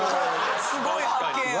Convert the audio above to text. すごい発見やな。